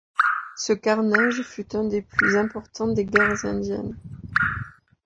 Ce carnage fut un des plus importants des guerres indiennes.